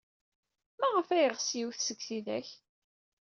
Maɣef ay yeɣs yiwet seg tidak?